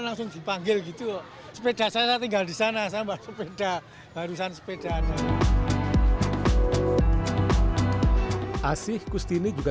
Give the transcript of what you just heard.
langsung dipanggil gitu sepeda saya tinggal di sana sama sepeda harusan sepedanya asih kustini juga